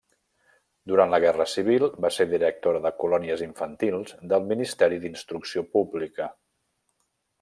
Durant la Guerra Civil va ser directora de Colònies Infantils del Ministeri d'Instrucció Pública.